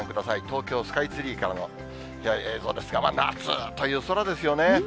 東京スカイツリーからの映像ですが、夏という空ですよね。